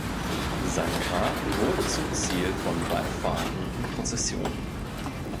Sein Grab wurde zum Ziel von Wallfahrten und Prozessionen.